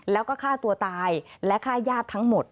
แล้วก็ฆ่าตัวตายและฆ่าญาติทั้งหมด